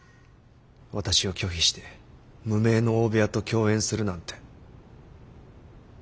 私を拒否して無名の大部屋と共演するなんて。